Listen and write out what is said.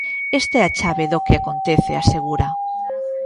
Esta é a chave do que acontece, asegura.